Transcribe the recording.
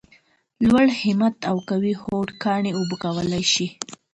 لوړ همت او قوي هوډ کاڼي اوبه کولای شي !